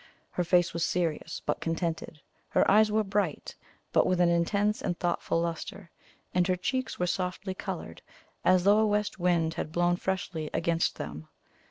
Her face was serious, but contented; her eyes were bright, but with an intense and thoughtful lustre; and her cheeks were softly coloured, as though a west wind had blown freshly against them.